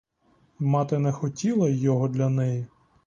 Мати не хотіла його для неї.